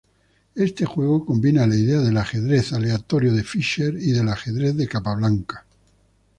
Este juego combina ideas del Ajedrez Aleatorio de Fischer y del Ajedrez de Capablanca.